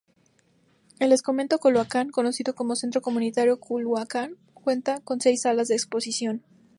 El exconvento Culhuacán conocido como "Centro Comunitario Culhuacán", cuenta con seis salas de exposición.